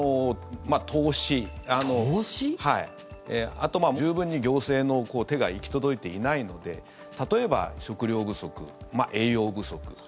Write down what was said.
あと、十分に行政の手が行き届いていないので例えば食料不足、栄養不足。